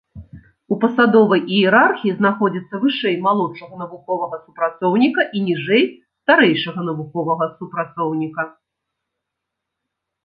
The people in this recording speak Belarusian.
У пасадовай іерархіі знаходзіцца вышэй малодшага навуковага супрацоўніка і ніжэй старэйшага навуковага супрацоўніка.